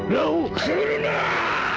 来るな！